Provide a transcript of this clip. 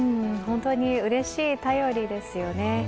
本当にうれしい便りですよね。